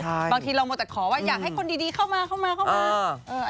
บางทีเรามัวแต่ขอว่าอยากให้คนดีเข้ามาเข้ามาเข้ามา